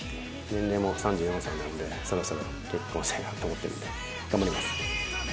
年齢も３４歳なんでそろそろ結婚したいなって思ってるので頑張ります。